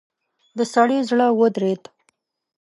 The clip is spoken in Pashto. د سړي زړه ودرېد.